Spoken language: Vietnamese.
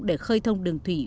để khơi thông đường thủy